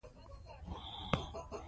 ده د خپلې مور او پلار مشورې ته درناوی کوي.